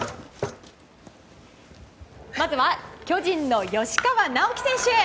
まずは巨人の吉川尚輝選手。